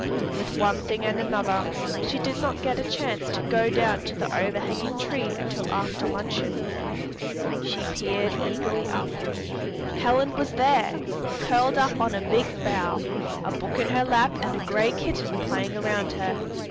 With one thing and another, she did not get a chance to go down to the overhanging tree until after luncheon. She peered eagerly up. Helen was there, curled up on a big bough, a book in her lap and a gray kitten playing around her.